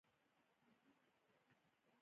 خاشرود سیند چیرته ختمیږي؟